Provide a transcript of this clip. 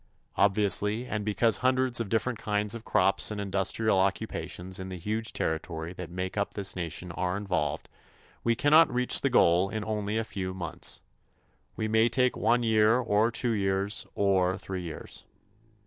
Obviously, and because hundreds of different kinds of crops and industrial occupations in the huge territory that makes up this Nation are involved, we cannot reach the goal in only a few months. We may take one year or two years or three years.